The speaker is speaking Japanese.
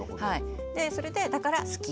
それでだから好き。